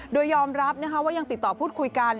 โดยยอมรับว่ายังติดต่อพูดคุยกัน